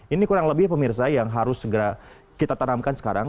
ini kurang lebih pemirsa yang harus segera kita tanamkan sekarang